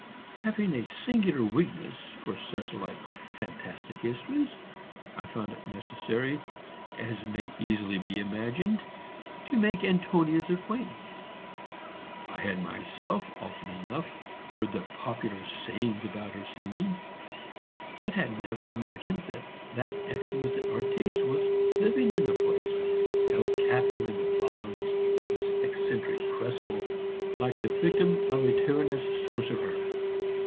'" Having a singular weakness for such like fantastic histories, I found it necessary, as may easily be imagined, to make Antonia's acquaintance. I had myself often enough heard the popular sayings about her singing, but had never imagined that that exquisite artiste was living in the place, held a captive in the bonds of this eccentric Krespel like the victim of a tyrannous sorcerer.